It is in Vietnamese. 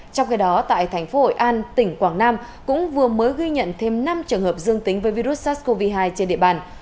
trong khi đó tại thành phố hội an tỉnh quảng nam cũng vừa mới ghi nhận thêm năm trường hợp dương tính với virus sars cov hai trên địa bàn